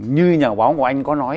như nhà báo của anh có nói